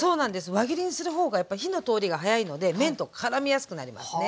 輪切りにする方がやっぱり火の通りが早いので麺とからみやすくなりますね。